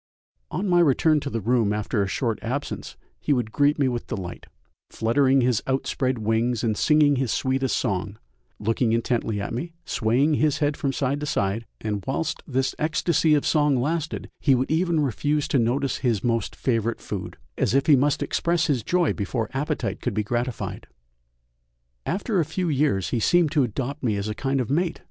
On my return to the room after a short absence he would greet me with delight, fluttering his outspread wings and singing his sweetest song, looking intently at me, swaying his head from side to side, and whilst this ecstasy of song lasted he would even refuse to notice his most favourite food, as if he must express his joy before appetite could be gratified. After a few years he seemed to adopt me as a kind of mate!